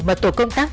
mà tổ công tác